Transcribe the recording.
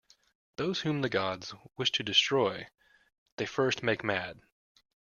Those whom the gods wish to destroy, they first make mad.